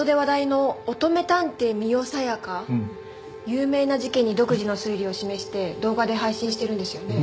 有名な事件に独自の推理を示して動画で配信してるんですよね。